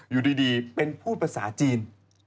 อยู่ดีเป็นพูดภาษาจีน